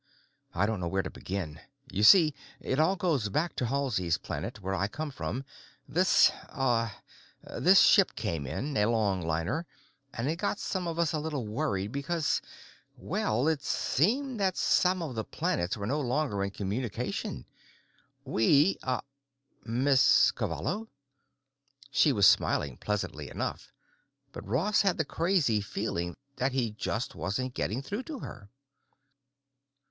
I don't know where to begin. You see, it all goes back to Halsey's Planet, where I come from. This, uh, this ship came in, a longliner, and it got some of us a little worried because, well, it seemed that some of the planets were no longer in communication. We—uh, Miss Cavallo?" She was smiling pleasantly enough, but Ross had the crazy feeling that he just wasn't getting through to her.